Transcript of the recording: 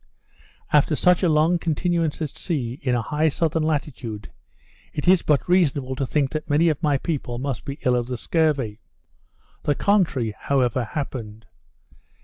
After such a long continuance at sea, in a high southern latitude, it is but reasonable to think that many of my people must be ill of the scurvy. The contrary, however, happened.